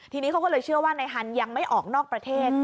ทีนี้เขาก็เลยเชื่อว่านายฮันยังไม่ออกนอกประเทศ